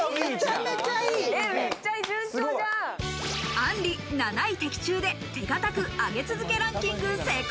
あんり、７位的中で手堅く上げ続けランキング成功。